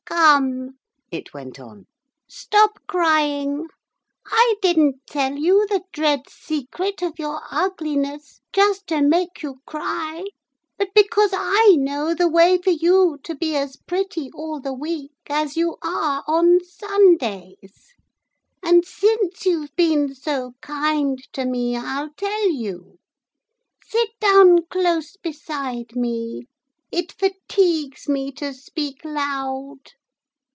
'Come,' it went on, 'stop crying. I didn't tell you the dread secret of your ugliness just to make you cry but because I know the way for you to be as pretty all the week as you are on Sundays, and since you've been so kind to me I'll tell you. Sit down close beside me, it fatigues me to speak loud.'